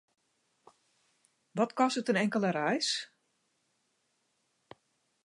Wat kostet in inkelde reis?